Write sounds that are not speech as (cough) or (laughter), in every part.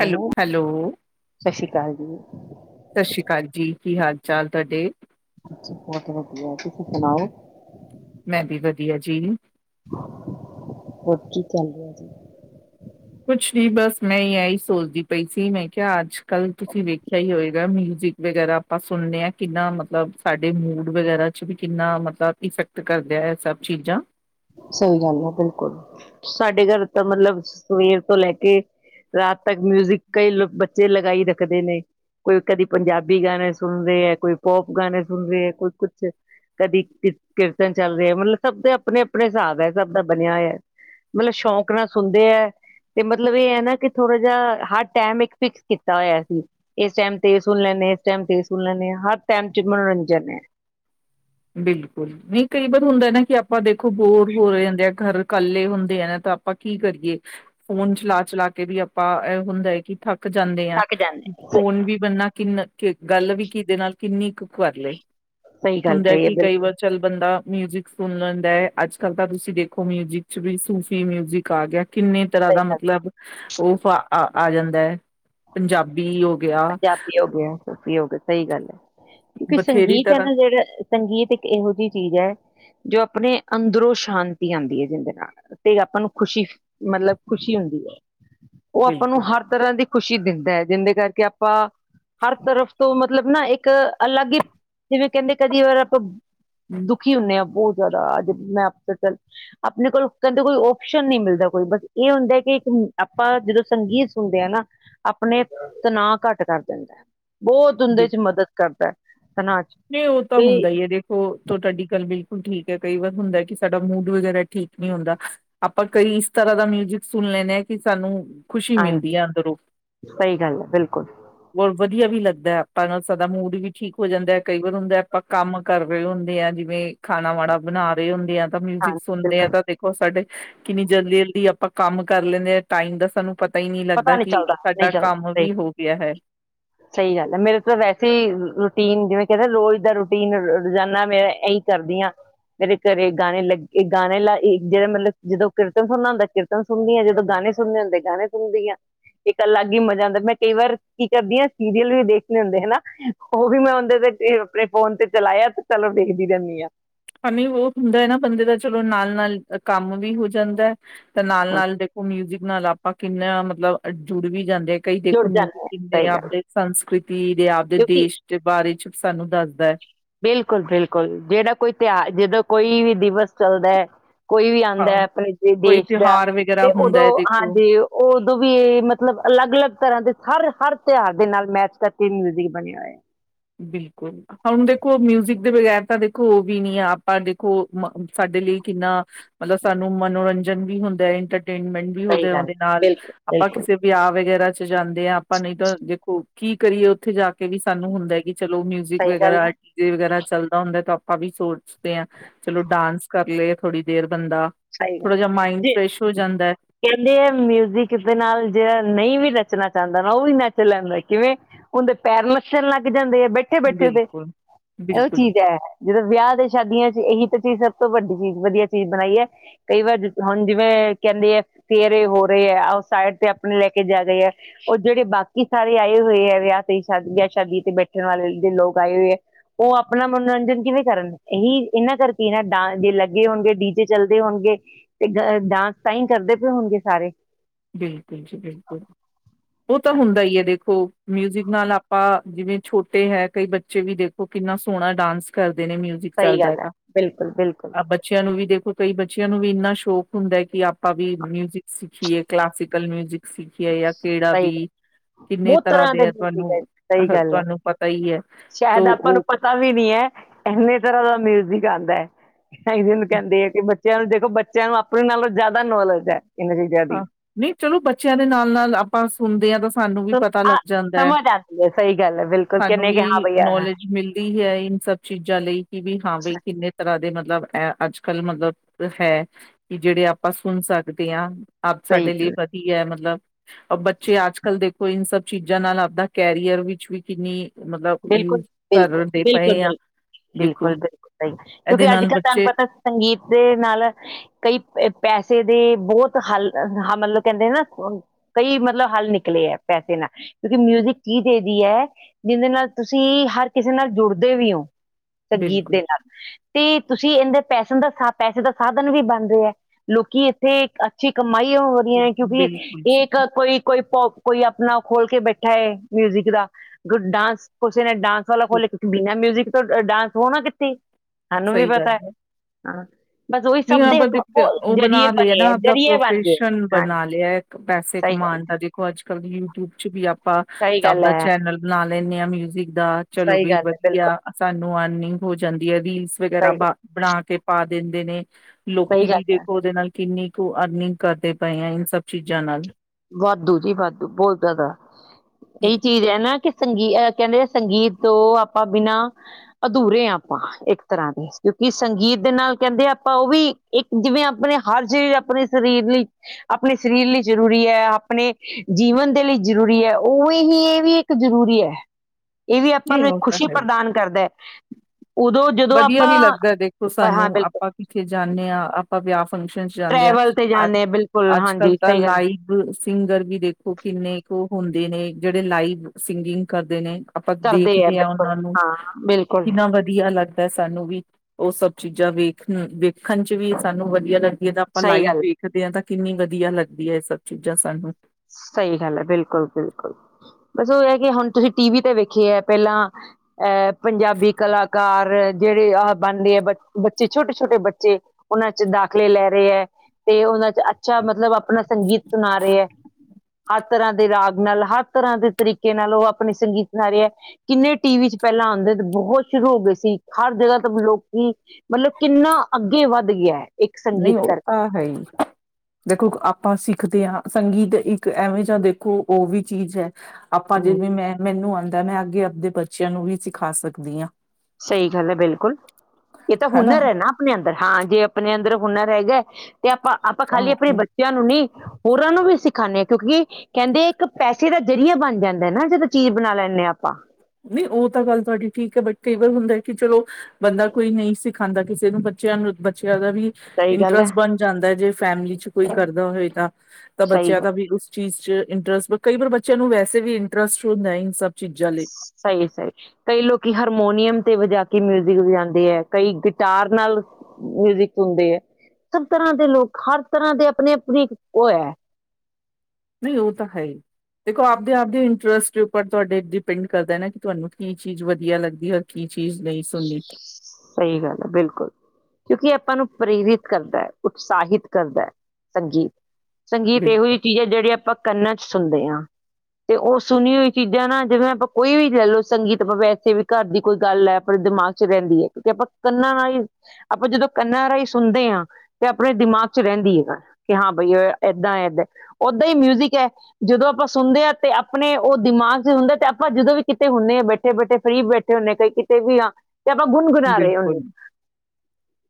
Hello, hello ਸਤਿ ਸ਼੍ਰੀ ਅਕਾਲ ਜੀ, ਸਤਿ ਸ਼੍ਰੀ ਅਕਾਲ ਜੀ। ਕੀ ਹਾਲ-ਚਾਲ ਤੁਹਾਡੇ ਅੱਛਾ ਬਹੁਤ ਵਧੀਆ ਤੁਸੀਂ ਸੁਣਾਓ ਮੈਂ ਵੀ ਵਧੀਆ ਜੀ। ਕਾਮ ਆ ਜੀ। ਕੁਛ ਨੀ ਬਸ ਮੈਂ ਇਹਹੀ ਸੋਚਦੀ ਪਈ ਸੀ ਮੈਂ ਕਿਹਾ ਅੱਜ ਕੱਲ ਤੁਸੀਂ ਵੇਖਿਆ ਹੀ ਹੋਏਗਾ, ਮਿਊਜਿਕ ਵਗੈਰਾ ਆਪਾਂ ਸੁਣਨਦੇ ਹਾਂ ਕਿੰਨਾ ਮਤਲਬ ਸਾਡੇ ਮੂਡ ਵਗੈਰਾ ਚ ਵੀ ਕਿੰਨਾ ਮਤਲਬ ਇਫੈਕਟ ਕਰਦੇ ਏ ਸਬ ਚੀਜ਼ਾਂ ਸਹੀ ਗੱਲ ਹੈ, ਬਿਲਕੁਲ ਸਾਡੇ ਘਰ ਤਾਂ ਮਤਲਬ ਸਵੇਰ ਤੋਂ ਲੈ ਕੇ ਰਾਤ ਤੱਕ ਮਿਊਜਿਕ ਕਈ ਬੱਚੇ ਲਗਾਈ ਰੱਖਦੇ ਨੇ ਕੋਈ ਕਦੀ ਪੰਜਾਬੀ ਗਾਣੇ ਸੁਣ ਰਹੇ ਹੈ ਕੋਈ ਪੋਪ ਗਾਣੇ ਸੁਣ ਰਹੇ ਹੈ ਕੋਈ ਕੁਛ ਕਦੀ ਕੀਰਤਨ ਚੱਲ ਰਿਹਾ ਹੈ, ਮਤਲਬ ਸਭ ਦੇ ਆਪਣੇ ਅਪਣੇ ਆਪਣੇ ਹਿਸਾਬ ਹੈਭ ਦਾ ਬਣਿਆ ਹੋਇਆ ਮਤਲਬ ਸ਼ੌਕ ਨਾਲ ਸੁਣਦੇ ਹੈ, ਤੇ ਮਤਲਬ ਇਹ ਹੈ ਨਾ ਕਿ ਥੋੜਾ ਜਿ ਹਰ ਟਾਈਮ ਇੱਕ ਫਿਕਸ ਕੀਤਾ ਹੋਇਆ ਸੀ, ਇਸ ਟਾਈਮ ਤੇ ਇਹ ਸੁਣ ਲੈਂਦੇਾਂ ਇਸ ਟਾਈਮ ਤੇ ਸੁਣ ਲੈਂਦੇ ਹਾਂ ਹਰ ਟਾਈਮ ਚ ਮਨੋਰੰਜਨ ਹੈ। ਬਿਲਕੁਲ ਨਹੀਂ ਕਈ ਵਾਰ ਹੁੰਦਾ ਨਾ ਕਿ ਆਪਾਂ ਦੇਖੋ ਬੋਰ ਹੋ ਰਹੇ ਜਾਂਦੇ ਆ ਘਰ ਕੱਲੇ ਹੁੰਦੇ ਆ ਨਾ ਤਾਂ ਆਪਾਂ ਕੀ ਕਰੀਏ ਫੋਨ ਚਲਾ-ਚਲਾ ਕੇ ਵੀ ਆਪਾਂ ਇਹ ਹੁੰਦਾ ਹੈ ਕਿ ਥੱਕ ਥਕ ਜਾਂਦੇ ਆ, ਥੱਕ ਜਾਂਦੇ ਫੋਨ ਵੀ ਬੰਨਾ ਕਿੰਨ ਗੱਲ ਵੀ ਕਿਦੇ ਨਾਲ ਕਿੰਨੀ ਕੁ ਕਰਲੇ ਸਹੀ ਗੱਲ ਹੁੰਦਾ ਕਹੀਏ ਕਿ ਕਈ ਬਿਲਕੁਲ ਵਾਰ ਚੱਲ ਬੰਦਾ ਮਿਊਜਿਕ ਸੁਣ ਲੈਂਦਾ ਹੈ ਅੱਜ ਕਲ ਤਾਂ ਤੁਸੀਂ ਦੇਖੋ ਮਿਊਜਿਕ ਚ ਵੀ ਸੂਫ਼ੀ ਮਿਊਜਿਕ ਆ ਗਿਆ। ਕਿੰਨੇ ਤਰ੍ਹਾਂ ਸਹੀ ਦਾ ਗੱਲ ਮਤਲਬ ਓਹ ਫ ਆ ਜਾਂਦਾ। ਹੈ ਪੰਜਾਬੀ ਓਹ ਪੰਜਾਬੀ ਹੋ ਗਏ ਹੋ, ਸੁੱਖੀ ਹੋ ਗਏ। ਸਹੀ ਗੱਲ ਹੈ। ਕਿਉਂਕਿ ਬਥੇਰੀ ਸੰਗੀਤ ਹੈ ਤਰ੍ਹਾਂ ਨਾ ਜਿਹੜਾ, ਸੰਗੀਤ ਇੱਕ ਇਹੋ ਜਿਹੀ ਚੀਜ਼ ਹੈ। ਜੋ ਆਪਣੇ ਅੰਦਰੋਂ ਸ਼ਾਂਤੀ ਆਉਂਦੀ ਹੈ, ਜਿੰਦੇ ਨਾਲ ਤੇ ਆਪਾਂ ਨੂੰ ਖੁਸ਼ੀ, ਮਤਲਬ ਖੁਸ਼ੀ ਹੁੰਦੀ ਹੈ। ਉਹ ਆਪਾਂ ਨੂੰ ਬਿਲਕੁਲ ਹਰ ਤਰ੍ਹਾਂ ਦੀ ਖੁਸ਼ੀ ਦਿੰਦਾ ਹੈ, ਜਿੰਹਦੇ ਕਰਕੇ ਆਪ ਆਪਾਂ, ਹਰ ਤਰਫ ਤੋਂ ਮਤਲਬ ਨਾ ਇੱਕ, ਅਲੱਗ ਹੀ, ਜਿਵੇਂ ਕਹਿੰਦੇ ਕਦੇ ਵਾਰ ਆਪਾਂ ਦੁਖੀ ਹੁੰਦੇ ਹਾਂ, ਬਹੁਤ ਜ਼ਿਆਦਾ। ਅੱਜ ਮੈਂ ਅਪਸੈਟ ਚੱਲ, ਆਪਣੇ ਕੋਲ ਕਹਿੰਦੇ ਕੋਈ ਓਪਸ਼ਨ ਨਹੀਂ ਮਿਲਦਾ ਕੋਈ ਬਸ। ਇਹ ਹੁੰਦਾ ਕਿ ਇੱਕ ਆਪਾਂ ਜਦੋਂ ਸੰਗੀਤ ਸੁਣਦੇ ਹਾ ਨਾ, ਆਪਣੇ ਤਨਾਅ ਘੱਟ ਤਾਂ ਕਰ ਦਿੰਦਾ। ਬਹੁਤ ਉਨਦੇ ਬਿਲ ਚ ਮਦਦ ਕਰਦਾ। ਤਣਾਅ ਚ ਨਹੀਂ ਉਹ ਤਾਂ ਤੇ ਹੁੰਦਾ ਹੀ ਹੈ। ਦੇਖੋ, ਤੋ ਤੁਹਾਡੀ ਗੱਲ ਵੀ ਹੁਣ ਠੀਕ ਹੈ, ਕਈ ਵਾਰ ਹੁੰਦਾ ਕਿ ਸਾਡਾ ਮੂਡ ਵਗੈਰਾ ਠੀਕ ਨੀ ਹੁੰਦਾ। ਆਪਾਂ ਕਈ ਇਸ ਤਰ੍ਹਾਂ ਦਾ ਮਿਊਜਿਕ ਸੁਣ ਲੈਂਦੇ ਹਾਂ ਕਿ ਸਾਨੂੰ ਖੁਸ਼ੀ ਮਿਲਦੀ ਹਾਂਜੀ ਹੈ, ਅੰਦਰੋਂ। ਸਹੀ ਗੱਲ ਹੈ ਬਿਲਕੁਲ ਹੋਰ ਵਧੀ ਵਧੀਆ ਵੀ ਲੱਗਦਾ, ਆਪਾਂ ਨਾਲ ਸਦਾ ਮੂਡ ਵੀ ਠੀਕ ਹੋ ਜਾਂਦੇ। ਕਈ ਵਾਰ ਹੁੰਦਾ, ਆਪਾਂ ਕੰਮ ਕਰ ਰਹੇ ਹੁੰਦੇ ਆਂ। ਜਿਵੇਂ, ਖਾਣਾ ਵਾਣਾ ਬਣਾ ਰਹੇ ਹੁੰਦੇ ਆ। ਤਾਂ ਮਿਊਜਿਕ ਹਾਂਜੀ ਸੁਣਦੇ ਆ ਬਿਲਕੁਲ ਤਾਂ ਦੇਖੋ ਸਾਡੇ ਕਿੰਨੀ ਜਲਦੀ ਅਪ ਆਪਾਂ ਕੰਮ ਕਰ ਲੈਂਦੇ ਹਾਂ, ਟਾਈਮ ਦਾ ਸਾਨੂੰ ਪਤਾ ਹੀ ਨਹੀਂ ਪਤਾ ਲੱਗਦਾ ਨੀ ਕਿ ਚੱਲਦਾ। ਨਹੀਂ, ਸਾਡਾ ਚੱਲ ਕੰਮ ਹੀ, ਵੀ ਹੋ ਗਿਆ ਹੈ ਸਹੀ ਗੱਲ ਹੈ। ਮੇਰੇ ਤਾਂ ਵੈਸੇ ਹੀ ਰੂਟੀਨ ਜਿਵੇਂ ਜਿਹੜਾ ਰੋਜ਼ ਦਾ ਰੂਟੀਨ ਰੋਜ਼ਾਨਾ ਮੇਰਾ, ਇਹੀ ਕਰਦੀ ਹਾਂ। ਮੇਰੇ ਘਰੇ ਗਾਣੇ ਲੱਗੇ, ਗਾਣੇ ਲਾ, ਜਿਹੜਾ ਮਤਲਬ ਜਦੋਂ ਕੀਰਤਨ ਸੁਣਨਾ ਹੁੰਦਾ, ਕੀਰਤਨ ਸੁਣਦੀ ਹਾਂ। ਜਦੋਂ ਗਾਣੇ ਸੁਣਨੇ ਹੁੰਦੇ, ਗਾਣੇ ਸੁਣਦੀ ਹਾਂ। ਇੱਕ ਅਲੱਗ ਹੀ ਮਜ਼ਾ ਆਉਂਦਾ। ਮੈਂ ਕਈ ਵਾਰ ਕੀ ਕਰਦੀ ਹਾਂ, ਸੀਰੀਅਲ ਵੀ ਦੇਖਣੇ ਹੁੰਦੇ, ਹਨਾ। ਉਹ ਵੀ ਮੈਂ ਉਹਦੇ ਤੇ, ਆਪਣੇ ਫੋਨ ਤੇ ਚਲਾਇਆ ਤੇ ਚਲੋ ਦੇਖਦੀ ਰਹਿੰਦੀ ਹਾਂ। ਹਨਾ, ਉਹ ਹੁੰਦਾ ਹੈ ਨਾ ਬੰਦੇ ਦਾ ਚਲੋ ਨਾਲ- ਨਾਲ ਕੰਮ ਵੀ ਹੋ ਜਾਂਦਾ। ਤੇ ਨਾਲ ਹਾਂ, ਨਾਲ ਦੇਖੋ ਮਿਊਜਿਕ ਨਾਲ ਆਪਾਂ ਕਿੰਨਾ, ਮਤਲਬ ਜੁੜ ਵੀ ਜਾਂਦੇ। ਜਾ ਕਈ ਜੁੜ ਦੇਖੋ ਮਿਊਜ਼ ਜਾਂਦੇ ਆ ਦਿੰਦੇ, ਸਹੀ ਗੱਲ ਹੈ। ਆਪਦੇ ਸੰਸਕ੍ਰਿਤੀ ਦੇ, ਆਪਦੇ ਕਿਉਂਕਿ ਦੇਸ਼ ਦੇ ਬਾਰੇ ਚ ਸਾਨੂੰ ਦੱਸਦਾ ਏ ਬਿਲਕੁਲ ਬਿਲਕੁਲ। ਜਿਹੜਾ ਕੋਈ ਤਿਉਹਾਰ, ਜਦੋਂ ਕੋਈ ਵੀ ਦਿਵਸ ਚੱਲਦਾ ਹੈ। ਕੋਈ ਵੀ ਹਾਂ ਆਉਂਦਾ। ਆਪਣੇ ਕੋਈ ਦੇਸ਼ ਦਾ ਤਿਉਹਾਰ ਵਗੈਰਾ ਤੇ ਹੁੰਦਾ ਉਦੋਂ ਹੈ ਦੇਖੋ ਹਾਂਜੀ, ਉਦੋਂ ਵੀ ਇਹ ਮਤਲਬ, ਅਲੱਗ ਅਲੱਗ ਤਰ੍ਹਾਂ ਦੇ ਹਰ ਹਰ ਤਿਉਹਾਰ ਦੇ ਨਾਲ ਮੈਚ ਕਰਕੇ ਮਿਊਜ਼ਿਕ ਬਣਿਆ ਹੋਇਆ। ਬਿਲਕੁਲ, ਹੁਣ ਦੇਖੋ, ਮਿਊਜਿਕ ਦੇ ਬਗੈਰ ਤਾਂ ਦੇਖੋ, ਉਹ ਵੀ ਨੀ ਆ। ਆਪਾਂ ਦੇਖੋ ਸਾਡੇ ਲਈ ਕਿੰਨਾ, ਮਤਲਬ, ਸਾਨੂੰ ਮਨੋਰੰਜਨ ਵੀ ਹੁੰਦਾ। ਇੰਟਰ ਟੇਨਮੈਂਟ ਵੀ ਸਹੀ ਹੋਜੇ ਗੱਲ ਉਹਦੇ ਨਾਲ। ਬਿਲਕੁਲ ਆਪਾਂ ਬਿਲਕੁਲ ਕਿਸੇ ਵੀ ਵਿਆਹ ਵਗੈਰਾ ਚ ਜਾਂਦੇ ਹਾਂ ਆਪਾਂ। ਨਹੀਂ, ਤਾਂ ਦੇਖੋ ਕੀ ਕਰੀਏ? ਉੱਥੇ ਜਾ ਕੇ ਵੀ ਸਾਨੂੰ ਹੁੰਦਾ। ਕਿ ਚਲੋ ਮਿਊਜਿਕ ਸਹੀ ਗੱਲ ਹੈ ਵਗੈਰਾ, ਡੀਜੇ ਵਗੈਰਾ ਚੱਲਦਾ ਹੁੰਦਾ ਤਾਂ ਆਪ ਆ ਵੀ ਸੋਚ। ਪੁਛਦੇ ਹਾਂ, ਚਲੋ ਡਾਂਸ ਕਰ ਲੇ। ਥੋੜੀ ਦੇਰ ਬੰਦਾ ਸਹੀ ਥੋੜਾ ਜਿਹਾ ਮਾਇੰਡ ਗੱਲ ਫਰੈਸ਼ ਹੋ ਜਾਂਦਾ ਹੈ ਕਹਿੰਦੇ ਹੈ ਮਿਊਜ਼ਿਕ ਦੇ ਨਾਲ ਜਿਹੜਾ ਨਹੀਂ ਵੀ ਰਚਨਾ ਆ ਨਾ ਉਹ ਵੀ ਨ ਚ ਲੈਂਦਾ ਕਿਵੇਂ ਹੁੰਦੇ ਪੈਰ ਲੱਛਣ ਲੱਗ ਜਾਂਦੇ ਆ। ਬੈਠੇ-ਬੈਠੇ ਤੇ ਬਿਲਕੁਲ ਓਹ ਬਿਲਕੁਲ ਚੀਜ਼ ਹੈ ਜਦੋਂ ਵਿਆਹ ਦੇ ਸ਼ਾਦੀਆਂ ਚ ਇਹੀ ਤਾਂ ਚੀਜ਼ ਸਭ ਤੋਂ ਵੱਡੀ ਚੀਜ਼ ਵਧੀਆ ਚੀਜ਼ ਬਣਾਈਏ ਕਈ ਵਾਰ ਹੁਣ ਜਿਵੇਂ ਕਹਿੰਦੇ ਹੈ ਫੇਰੇ ਹੋ ਰਹੇ ਹੈ ਆਓ ਸਾਈਡ ਤੇ ਆਪਣੇ ਲੈ ਕੇ ਜਾ ਗਏ ਹੈ ਉਹ ਜਿਹੜੇ ਬਾਕੀ ਸਾਰੇ ਆਏ ਹੋਏ ਹੈ ਵਿਆਹ ਤੇ ਸ਼ ਵਿਆਹ ਸ਼ਾਦੀ ਤੇ ਬੈਠਣ ਵਾਲੇ ਜ ਲੋਕ ਆਏ ਹੋਏ ਹੈ ਓਹ ਆਪਣਾ ਮਨੋਰੰਜਨ ਕਿਵੇਂ ਕਰਨ ਇਹੀ ਇਹਨਾਂ ਕਰਕੇ ਨਾ ਡ ਜੇ ਲੱਗੇ ਹੋਣਗੇ ਡੀਜੇ। ਚੱਲਦੇ ਹੋਣਗੇ ਤੇ ਡਾਂਸ ਤਾਂ ਹੀ ਕਰਦੇ ਪਏ ਹੋਣਗੇ ਸਾਰੇ। ਬਿਲਕੁਲ ਜੀ ਬਿਲਕੁਲ। ਓ ਤਾਂ ਹੁੰਦਾ ਹੀ ਹੈ ਦੇਖੋ। ਮਿਊਜਿਕ ਨਾਲ ਆਪਾਂ ਜਿਵੇਂ ਛੋਟੇ ਹੈ ਕਈ ਬੱਚੇ ਵੀ ਦੇਖੋ ਕਿੰਨਾ ਸੋਹਣਾ ਡਾਂਸ ਕਰਦੇ ਦੇ ਨੇ ਮਿਊਜਿਕ ਸਹੀ ਚੱਲਦਾ ਗੱਲ ਹੈ ਹੈਗਾ, ਬਿਲਕੁਲ ਬਿਲਕੁਲ ਆ ਬੱਚਿਆਂ ਨੂੰ ਵੀ ਦੇਖ ਕਈ ਬੱਚਿਆਂ ਨੂੰ ਵੀ ਇੰਨਾ ਸ਼ੌਕ ਹੁੰਦਾ ਹੈ ਕਿ ਆਪਾਂ ਵੀ ਮਿਊਜਿਕ ਸਿੱਖੀਏ। ਕਲਾਸਕਲ ਮਿਊਜ਼ਿਕ ਸਿੱਖੀਏ ਜਾਂ ਕਿਹੜਾ ਸਹੀ ਵੀ ਗੱਲ ਬਹੁਤ ਤਰ੍ਹਾਂ ਦੇ ਮਿਊਜਿਕ ਹੈ ਸਹੀ ਅਹ ਗੱਲ ਹੈ ਤੁਹਾਨੂੰ ਪਤਾ ਹੀ ਹੈ ਤੋ ਸ਼ਾਇਦ ਆਪਾਂ ਨੂੰ ਉਹ ਪਤਾ ਵੀ ਨੀ ਹੈ ਇੰਨੇ ਤਰ੍ਹਾਂ ਦਾ ਮਿਊਜਿਕ ਆਉਂਦਾ ਹੈ। ਇਹਨੂੰ ਕਹਿੰਦੇ ਆ ਕਿ ਬੱਚ ਬੱਚਿਆਂ ਨੂੰ ਦੇਖੋ ਬੱਚਿਆਂ ਨੂੰ ਆਪਣੇ ਨਾਲੋਂ ਜ਼ਿਆਦਾ ਨੌਲੇਜ ਹੈ। ਇਹਨਾਂ ਚੀਜ਼ਾਂ ਦੀ ਹਹ ਨਹੀਂ ਚਲੋ ਬੱਚਿਆਂ ਦੇ ਨਾਲ-ਨਾਲ ਆਪਾਂ ਸੁਣਦੇ ਹਾਂ ਤਾਂ। ਸਾਨੂੰ ਵੀ ਤਾਂ ਪਤਾ ਲੱਗ ਆ- ਜਾਂਦਾ ਹੈ ਸਮਝ ਆਉਂਦੀ ਹੈ ਸਹੀ ਗੱਲ ਹੈ ਬਿਲਕੁਲ ਸਾਨੂੰ ਕਹਿੰਦੇ ਵੀ ਕਿ ਹਾਂ ਭਈਆ ਹਾਂ ਨੌਲੇਜ ਮਿਲਦੀ ਹੈ ਇਨ ਸਬ ਚੀਜ਼ਾਂ ਲਈ ਕਿ ਵੀ ਹਾਂ ਬਈ ਕਿੰਨੇ ਤਰ੍ਹਾਂ ਦੇ ਮਤਲਬ ਮਤਲਬ ਇਹ ਅੱਜ ਕੱਲ ਮਤਲਬ ਹੈ ਕਿ ਜਿਹੜੇ ਆਪਾਂ ਸੁਣ ਸਕਦੇ ਹਾਂ। ਆਪ ਸਹੀ ਸਾਡੇ ਲਈ ਗੱਲ ਹੈ। ਵਧੀਆ ਮਤਲਬ ਬੱਚੇ ਅੱਜ ਕੱਲ੍ਹ ਦੇਖੋ ਇਨ ਸਭ ਚੀਜਾਂ ਨਾਲ ਆਪਦਾ ਕੈਰੀਅਰ ਵਿੱਚ ਵੀ ਕਿੰਨੀ ਮਤਲਬ ਯੂਜ ਬਿਲਕੁਲ-ਬਿਲਕੁਲ, ਕਰਦੇ ਪਏ ਆ ਬਿਲਕੁਲ-ਬਿਲਕੁਲ, ਦੇਖੋ ਬਿਲਕੁਲ-ਬਿਲਕੁਲ ਸਹੀ ਇਹਦੇ ਕਿਉਂਕਿ ਅੱਜ ਨਾਲ ਕੱਲ੍ਹ ਤੁਹਾਨੂੰ ਬੱਚੇ ਪਤਾ ਸੰਗੀਤ ਦੇ ਨਾਲ ਕਈ ਪੈਸੇ ਦੇ ਬਹੁਤ ਹੱਲ ਮਤਲਬ ਕਹਿੰਦੇ ਨਾ ਕਈ ਮਤਲਬ ਹੱਲ ਨਿਕਲੇ ਹੈ ਪੈਸੇ ਨਾਲ ਕਿਉਂਕਿ ਮਿਊਜ਼ਿਕ ਕੀ ਤੇਜ਼ੀ ਹੈ ਜਿਹਦੇ ਨਾਲ ਤੁਸੀਂ ਹਰ ਕਿਸੇ ਨਾਲ ਜੁੜਦੇ ਵੀ ਓ। ਸੰਗੀਤ ਬਿਲਕੁਲ ਦੇ ਨਾਲ ਤੇ ਤੁਸੀਂ ਇਹਦੇ ਪੈਸੇ ਦਾ ਸਾ ਪੈਸੇ ਦਾ ਸਾਧਨ ਵੀ ਬਣ ਰਹੇ ਹੈ ਲੋਕੀ ਇੱਥੇ ਅੱਛੀ ਮਾਈ ਹੋ ਰਹੀਆਂ ਕਿਉਂਕਿ ਬਿਲਕੁਲ ਜੀ ਇੱਕ ਕੋਈ ਕੋਈ ਕੋਈ ਆਪਣਾ ਖੋਲ ਕੇ ਬੈਠਾ ਹੈ ਮਿਊਜ਼ਿਕ ਦਾ ਗੁੱ ਡਾਂਸ ਕੁਛ। ਡਾਂਸ ਵਾਲਾ ਕੋਲ ਇੱਕ ਬਿਨਾਂ ਮਿਊਜ਼ਿਕ ਡਾਂਸ ਹੋ ਨਾ ਕਿੱਥੇ ਸਾਨੂੰ ਵੀ ਸਹੀ ਗੱਲ ਪਤਾ ਹੈ। ਹਾਂ। ਬਸ ਉਹੀ ਨਹੀਂ ਸਭ ਹਾਂ ਦੇ ਆਪਾਂ ਇੱਕ ਉਹ ਓਹ ਬਣਾ ਜਰੀਏ ਲਿਆ ਬਣੇ ਨਾ ਹੈ ਆਪਦਾ ਜਰੀਏ ਬਣ ਗਏ ਪ੍ਰੋਫੈਸ਼ਨ ਹਾਂ ਬਣਾ ਲਿਆ ਪੈਸੇ ਸਹੀ ਗੱਲ- ਕਮਾਉਣ ਦਾ ਦੇਖੋ ਅੱਜ ਕੱਲ ਰੂਪ ਚ ਵੀ ਆਪ ਸਹੀ ਆਪਾਂ ਗੱਲ ਆਪਦਾ ਹੈ ਚੈਨਲ ਬਣਾ ਲ ਦੇਣੇ ਆ ਮਿਊਜ਼ਿਕ ਦਾ ਚਲੋ ਸਹੀ ਵੀ ਗੱਲ ਹੈ ਬਿਲਕੁਲ ਵਧੀਆ ਸਾਨੂੰ ਆਣੀ ਹੋ ਜਾਂਦੀ ਹੈ। ਵੀ ਵਗੈਰਾ ਸਹੀ ਗੱਲ ਬ ਬਣਾ ਕੇ ਪਾ ਦਿੰਦੇ ਨੇ ਸਹੀ ਲੋਕੀ ਗੱਲ ਵੀ ਹੈ ਦੇਖੋ ਉਹਦੇ ਨਾਲ ਕਿੰਨੀ ਤੂੰ ਅਰਨਿੰਗ ਕਰਦੇ ਪਏ ਆ ਇਹਨ ਸਭ ਚੀਜ਼ਾਂ ਨਾਲ। ਵਾਧੂ ਜੀ ਵਾਧੂ ਬਹੁਤ ਜ਼ਿਆਦਾ ਇਹੀ ਚੀਜ਼ ਹੈ ਨਾ ਕੇ ਸੰਗੀ ਅਹ ਕਹਿੰਦੇ ਸੰਗੀਤ ਤੋਂ ਆਪਾਂ ਬਿਨਾਂ ਅਧੂਰੇ ਹ ਆਪਾਂ ਇੱਕ ਤਰ੍ਹਾਂ ਦੇ ਕਿਉਂਕਿ ਸੰਗੀਤ ਦੇ ਨਾਲ ਕਹਿੰਦੇ ਆਪਾਂ ਉਹ ਵੀ ਇੱਕ ਜਿਵੇਂ ਆਪਣੇ ਹਰ ਜੀ ਆਪਣੇ ਸਰੀਰ ਲਈ ਆਪਣੇ ਸਰੀਰ ਲਈ ਜ਼ਰੂਰੀ ਹੈ ਆਪਣੇ ਜੀਵਨ ਦੇ ਲਈ ਜ਼ਰੂਰੀ ਹੈ। ਉਵੇਂ ਹੀ ਇਹ ਵੀ ਇੱਕ ਜ਼ਰੂਰੀ ਹੈ। ਇਹ ਵੀ ਆਪਾਂ ਨਹੀਂ ਨੂੰ ਇੱਕ ਉਹ ਤਾਂ ਖੁਸ਼ੀ ਹੈ ਹੀ। ਪ੍ਰਦਾਨ ਕਰਦਾ ਹੈ। ਉਦੋਂ ਜਦੋਂ ਵਧੀਆ ਵੀ ਆਪਾਂ ਲੱਗਦਾ ਦੇਖੋ ਹਾਂ ਸਾਨੂੰ ਬਿਲਕੁਲ ਆਪਾਂ ਪਿੱਛੇ ਜਾਂਦੇ ਹਾਂ ਆਪਾਂ ਵਿਆਹ ਫੰਕਸ਼ਨ ਜਾਂਦੇ ਆ ਟਰੈਵਲ ਤੇ ਜਾਂਦੇ ਆ ਬਿਲਕੁਲ ਅੱਜ ਕੱਲ ਹਾਂਜੀ ਤਾਂ ਸਹੀ ਗੱਲ ਲਾਈਵ ਸਿੰਗਰ ਵੀ ਦੇਖੋ ਕਿੰਨੇ ਕੁ ਉਹ ਹੁੰ, ਨੇ ਜਿਹੜੇ ਲਾਈਵ ਸਿੰਗਿੰਗ ਕਰਦੇ ਨੇ। ਆਪਾਂ ਕਰਦੇ ਆ ਦੇਖਦੇ ਹਾਂ ਬਿਲਕੁਲ ਉਹਨਾਂ ਨੂੰ ਹਾਂ ਬਿਲਕੁਲ ਕਿੰਨਾ ਵਧੀਆ ਲੱਗ ਸਾਨੂੰ ਵੀ ਉਹ ਸਭ ਚੀਜ਼ਾਂ ਵੇਖ ਵੇਖਣ ਚ ਵੀ ਸਾਨੂੰ ਵਧੀਆ ਲੱਗੀ ਹੈ। ਤਾਂ ਆਪਾਂ ਸਹੀ ਲਾਈਵ ਗੱਲ ਵੇਖਦੇ ਹਾਂ। ਤਾਂ ਕਿੰਨੀ ਵਧੀਆ ਲੱਗਦੀ ਹੈ। ਇਹ ਸਭ ਚੀਜ਼ਾਂ ਸਾਨੂੰ। ਸਹੀ ਗੱਲ ਹੈ ਬਿਲਕੁਲ, ਬਿਲਕੁਲ ਬਸ ਉਹ ਇਹ ਹੈ ਕਿ ਹੁਣ ਤੁਸੀਂ ਟੀ ਵੀ ਤੇ ਵੇਖੇ ਹੈ ਪਹਿਲਾਂ ਅ ਪੰਜਾਬੀ ਕਲਾਕਾਰ ਜਿਹੜੇ ਆ ਬਣਦੇ ਹੈ ਬ ਬੱਚੇ ਛੋਟੇ-ਛੋਟੇ ਬੱਚੇ ਉਹਨਾਂ ਚ ਦਾਖਲੇ ਲੈ ਰਹੇ ਹੈ ਤੇ ਉਹਨਾਂ ਅੱਛਾ ਮਤਲਬ ਆਪਣਾ ਸੰਗੀਤ ਸੁਣਾ ਰਹੇ ਹੈ। ਹਰ ਤਰ੍ਹਾਂ ਦੇ ਰਾਗ ਨਾਲ ਹਰ ਤਰ੍ਹਾਂ ਦੇ ਤਰੀਕੇ ਨਾਲ ਉਹ ਆਪਣੇ ਸੰਗੀਤ ਨਾਲ ਰਿਹਾ ਕਿੰਨੇ ਟੀ ਵੀ ਚ ਪਹਿਲਾਂ ਆਉਂਦੇ ਬਹੁਤ ਸ਼ੁਰੂ ਹੋ ਗਏ ਸੀ ਹਰ ਜਗ੍ਹਾ ਤੋਂ ਲੋਕੀ ਮਤਲਬ ਕਿੰਨਾ ਅੱਗੇ ਵੱਧ ਗਿਆ ਹੈ। ਇੱਕ ਨਹੀਂ ਸੰਗੀਤ ਉਹ ਤਾਂ ਹੈ ਹੀ ਦੇਖੋ ਆਪਾਂ ਸਿੱਖਦੇ ਹਾਂ ਸੰਗੀਤ ਇੱਕ ਐਵੇਂ ਜਾਂ ਦੇਖੋ ਉਹ ਵੀ ਚੀਜ਼ ਹੈ। ਆਪਾਂ ਕਰਕੇ ਜਿ‍ਵੇ ਮੈਂ ਮੈਨੂੰ ਆ ਮੈਂ ਅੱਗੇ ਆਪਦੇ ਬੱਚਿਆਂ ਨੂੰ ਵੀ ਸਿਖਾ ਸਕਦੀ ਹਾਂ। ਸਹੀ ਗੱਲ ਹੈ ਬਿਲਕੁਲ ਇਹ ਤਾਂ ਹਨਾ ਹੁਨਰ ਹੈ ਨਾ ਆਪਣੇ ਅੰਦਰ ਹਾਂ ਜੇ ਆਪਣੇ ਅੰਦਰ ਹੁਨਰ ਰ ਹੈਗਾ। ਤੇ ਆਪਾਂ ਆਪਾਂ ਖਾਲੀ ਆਪਣੇ ਬੱਚਿਆਂ ਨੂੰ ਨੀ ਹੋਰਾਂ ਨੂੰ ਵੀ ਸਿਖਾਣੇ। ਕਿਉਂਕਿ ਕਹਿੰਦੇ ਇੱਕ ਪੈਸੇ ਦਾ ਜ਼ਰੀਆ ਬਣ ਜਾਂਦਾ ਨਾ ਜਦੋਂ ਚੀਜ਼ ਬਣਾ ਲੈਂਦੇ ਹਾਂ ਆਪਾਂ। ਉਹ ਤਾਂ ਗੱਲ ਤੁਹਾਡੀ ਠੀਕ ਹੈ। ਬਟ ਇਹ ਵਾਰ ਹੁੰਦਾ ਹੈ ਕਿ ਚਲੋ। ਬੰਦਾ ਕੋਈ ਨਹੀਂ ਸੀ ਖਾਂਦਾ ਕਿਸੇ ਨੂੰ ਬੱਚਿਆਂ ਨੂੰ ਬੱਚ ਦਾ ਵੀ ਸਹੀ ਗੱਲ ਹੈ ਇੰਟਰਸਟ ਬਨ ਜਾਂਦਾ ਜੇ ਫੈਮਿਲੀ 'ਚ ਕੋਈ ਕਰਦਾ ਹੋਏਗਾ। ਤਾਂ ਸਹੀ ਬੱਚਿਆਂ ਗੱਲ ਦਾ ਵੀ ਉਸ ਚੀਜ਼ 'ਚ ਇੰਟਰਸਟ, ਕਈ ਵਾਰ ਬੱਚਿਆਂ ਨੂੰ ਵੈਸੇ ਵੀ ਇੰਟਰਸਟ ਹੁੰਦਾ ਇਨ ਸਬ ਚੀਜਾ ਲਈ। ਸਹੀ ਹੈ, ਸਹੀ ਕਈ ਲੋਕੀ ਹਾਰਮੋਨੀਅਮ ਤੇ ਵਜਾ ਕੇ ਮਿਊਜ਼ਿਕ ਵਜਾਉਂਦੇ ਐ, ਕਈ ਗਿਟਾਰ ਨਾਲ ਮਿਊਜਿਕ ਸੁੁੰਦੇ ਐ, ਸਭ ਤਰਾਹ ਦੇ ਲੋਕ ਹਰ ਤਰਾਹ ਦੇ ਆਪਨੇ ਆਪਨੀ ਓਹ ਹੈ। ਨਹੀਂ ਓਹ ਤਾਂ ਹੈ ਹੀ, ਦੇਖੋ ਆਪਦੇ ਆਪ ਦੇ ਇੰਟਰਸਟ ਦੇ ਉੱਪਰ ਤੁਹਾਡੇ ਡਿਪੈਂਡ ਕਰਦਾ ਨਾ ਕੀ ਤੁਹਾਨੂੰ ਕੀ ਚੀਜ਼ ਵਧੀਆ ਲੱਗਦੀ ਔਰ ਕੀ ਚੀਜ਼ ਨਹੀਂ ਸੁਣਨੀ ਸਹੀ ਗੱਲ ਐ, ਬਿਲਕੁਲ ਕਿਉਂਕਿ ਆਪਾਂ ਨੂੰ ਪ੍ਰੇਰਿਤ ਕਰਦਾ ਐ, ਉਤਸ਼ਾਹਿਤ ਕਰਦਾ ਐ ਸੰਗੀਤ। ਸੰਗੀਤ ਐਹੋ ਬਿਲਕੁਲ ਜੀ ਚੀਜ਼ ਹੈ ਜਿਹੜੀ ਆਪਾਂ ਕੰਨਾਂ ਸੁਨਦੇ ਆ, ਤੇ ਓਹ ਸੁਣੀ ਹੋਈ ਚੀਜ਼ਾਂ ਨਾ ਜਿਵੇਂ ਆਪਾਂ ਕੋਈ ਵੀ ਲੈ ਲਓ ਸੰਗੀਤ ਆਪਾਂ ਵੈਸੇ ਵੀ ਘਰ ਦੀ ਕੋਈ ਗੱਲ ਹੈ। ਅਪਨੇ ਦਿਮਾਗ 'ਚ ਰਹਿੰਦੀ ਐ, ਕਿਉਂਕਿ ਆਪਾਂ ਕੰਨਾਂ ਨਾਲ ਹੀਂ ਆਪਾਂ ਜਦੋਂ ਕੰਨਾਂ ਰਾਈ ਸੁਨਦੇ ਆ ਤੇ ਆਪਣੇ ਦਿਮਾਗ 'ਚ ਰਹਿੰਦੀ ਐ ਗਲ ਕੀ ਹਾਂ ਬਈ ਐਦਦਾ ਐਦੇ ਓਦਾਂ ਇ ਮਿਊਜਿਕ ਐ ਜਦੋਂ ਆਪਾਂ ਸੁਣਦੇ ਆ ਤੇ ਆਪਨੇ ਓਹ ਦਿਮਾਗ 'ਚ ਹੁੰਦਾ ਤੇ ਆਪਾਂ ਜਦੋਂ ਵੀ ਕਿਤੇ ਹੁੰਨੇ ਬੈਠੇ- ਬੈਠੇ ਫਰੀ ਬੈਠੇ ਹੁੰਦੇ ਹਾਂ ਕਈ ਕਈ ਤੇ ਵੀ ਆ ਬਿਲਕੁਲ,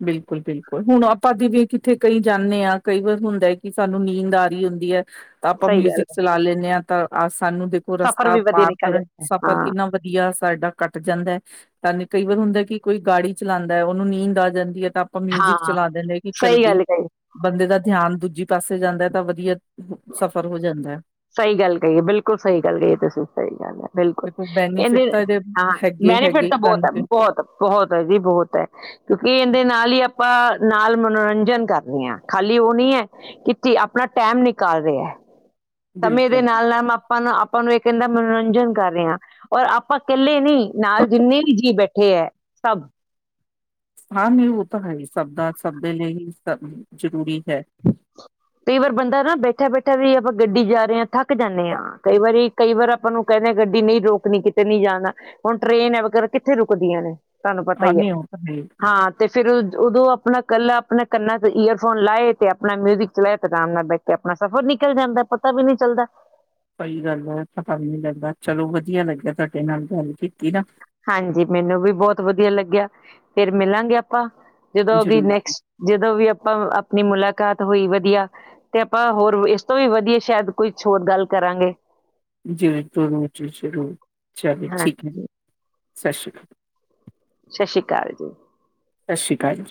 ਬਿਲਕੁਲ, ਬਿਲਕੁਲ, ਹੁਣ ਆਪ ਆਪਾਂ ਦੀ ਵੀ ਕਿੱਥੇ ਕਈ ਜਾਂਨੇ ਆ, ਕਈ ਵਾਰ ਹੁੰਦਾ ਐ ਕੀ ਸਾਨੂੰ ਨੀਂਦ ਆ ਰਹੀ ਹੁੰਦੀ ਹੈ। ਤਾਂ ਆਪਾਂ ਸਹੀ ਗੱਲ ਮਿਊਜਿਕ ਹੈ ਚਲਾ ਲੈਂਨੇ ਆ। ਆਹ ਸਾਨੂੰ ਦੇਖੋ ਸਫ਼ਰ ਰਸਤਾ ਵੀ ਵਧੀਆ ਪਾਰ ਨਿਕਲ ਕਰਨ ਜਾਂਦਾ ਹੈ ਸਫ਼ਰ ਹਾਂ ਕਿੰਨਾ ਵਧੀਆ ਸਾਡਾ ਕੱਟ ਜਾਂਦਾ ਹੈ ਸਾਨੂੰ ਕਈ ਵਾਰ ਹੁੰਦਾ ਕੀ ਕੋਈ ਗਾੜੀ ਚਲਾਉਂਦਾ, ਓਹਨੂੰ ਨੀਂਦ ਆ ਜਾਂਦੀ ਐ। ਆਪਾਂ ਮਿਊਜਿਕ ਹਾਂ ਚਲਾ ਦਿੰਨੇ ਕੀ ਚੱਲ ਸਹੀ ਬਈ ਗੱਲ ਕਹੀ ਬੰਦੇ ਦਾ ਧਿਆਨ ਦੂਜੀ ਪਾਸੇ ਜਾਂਦਾ ਐ, ਤਾਂ ਵਧੀਆ ਸਫ਼ਰ ਹੋ ਜਾਂਦਾ ਹੈ ਸਹੀ ਗੱਲ ਕਹੀ ਐ, ਬਿਲਕੁਲ ਸਹੀ ਗੱਲ ਕਹੀ ਐ ਤੁਸੀਂ, ਸਹੀ ਗੱਲ ਐ, ਬਿਲਕੁਲ ਦੇਖੋ ਇਹ ਬੈਨੀਫਿਟ ਦੇ ਤਾਂ ਇਹਦੇ ਹਾਂ ਹੈਗੇ ਬੈਨੀਫਿਟ ਹੈਗੇ ਹੀ ਤਾਂ ਬੋਤ ਐ ਸਾਨੂੰ ਤੇ ਬੋਤ ਬੋਹੋਤ। ਜੀ ਬੋਤ ਐ, ਕਿਉਕਿ ਐ ਇਹਦੇ ਨਾਲ ਹੀ ਆਪਾਂ ਨਾਲ ਮਨੋਰੰਜਨ ਕਰਨੇ ਆ, ਖਾਲੀ ਓਹ ਨੀ ਐ ਕੀ ਆਪਨਾ ਟਾਈਮ ਨਿਕ ਕਾਲ ਰਿਹਾ ਐ। ਤਾ ਮੇਰੇ ਬਿਲਕੁਲ ਨਾਲ- ਨਾਲ ਮ ਆਪਾਂ ਨਾ ਅਪ ਓਹਨੂੰ ਇਹ ਕਹਿੰਦਾ ਮਨੋਰੰਜਨ ਕਰ ਰਹੇ ਆ ਔਰ ਆਪਾਂ ਕੱਲੇ ਨਹੀ। ਨਾਲ ਜਿੰਨੇ ਵੀ ਜੀਅ ਬੈਠੇ ਐ। ਸਭ। ਹਾਂ, ਨੀ ਓਹ ਤਾ ਹੈ ਹੀ ਸਬਦੇ, ਸਬਦੇ ਲਈ ਹੀ ਸਭ ਜਰੂਰੀ ਹੈ। ਕਈ ਵਾਰ ਬੰਦਾ ਨਾ ਬੈਠਾ ਬੈਠਾ ਵੀ ਆਪਾਂ ਗੱਡੀ ਜਾ ਰਹੇ ਹਾਂ ਥੱਕ ਜਾਨੇ ਆ ਕਈ ਵਾਰੀ ਕਈ ਵਾਰ ਆਪਾਂ ਨੂੰ ਕਹਿੰਨੇ ਆ ਗੱਡੀ ਨਹੀਂ ਰੋਕਨੀ ਕਿਤੇ ਨੀ ਜਾਨਾ ਹੁਨ ਟ੍ਰੇਨ ਹੈ ਵਗੈਰਾ ਕਿੱਥੇ ਰੁਕਦੀਆਂ ਨੇ। ਤੁਹਾਨੂੰ ਪਤਾ ਹੀ ਐ ਹਾਂਜੀ ਉਹ ਤਾਂ ਹੈ ਹੀ। ਹਾਂ ਤੇ ਫਿਰ ਓਦੋਂ ਆਪਨਾ ਕੱਲਾ ਆਪਨੇ ਕੰਨਾਂ ਈਅਰਫੋਨ ਲਾਏ ਤੇ ਆਪਨਾ ਮਿਊਜ਼ਿਕ (unintelligible) ਤੇ ਆਰਾਮ ਨਾਲ ਬੈਠ ਕੇ ਆਪਣਾ ਸਫ਼ਰ ਨਿਕਲ ਜਾਂਦਾ, ਪਤਾ ਵੀ ਨੀ ਚੱਲਦਾ। ਸਹੀ ਗੱਲ ਐ, ਪਤਾ ਵੀ ਨੀ ਲੱਗਦਾ ਚਲੋ ਵਧੀਆ ਲੱਗਿਆ ਤੁਹਾਡੇ ਨਾਲ ਗੱਲ ਕੀਤੀ ਨਾ। ਹਾਂਜੀ, ਮੈਨੂੰ ਵੀ ਬਹੁਤ ਵਧੀਆ ਲੱਗਿਆ, ਫਿਰ ਮਿਲਾਂਗੇ ਆਪਾਂ। ਜਦੋਂ ਵੀ ਜ਼ਰੂਰ ਜੀ, ਨੈਕਸਟ ਜਦੋਂ ਵੀ ਆਪਾਂ ਆਪਣੀ ਮੁਲਾਕਾਤ ਹੋਈ ਵਧੀਆ ਤੇ ਆਪਾਂ ਹੋਰ ਇਸ ਤੋਂ ਵੀ ਵਧੀਆ ਸ਼ਾਇਦ ਕੋਈ ਛੋਟ ਗੱਲ ਕਰਾਂਗੇ। ਜਿ ਚ ਸ਼ੁਰੂ ਚੱਲ ਹਾਂ ਠੀਕ ਹੈ। ਸਤਿ ਸਤਿ ਸ਼੍ਰੀ ਅਕਾਲ। ਸਤਿ ਸ੍ਰੀ ਅਕਾਲ ਜੀ। ਸ਼ਿਕਾਇਤ।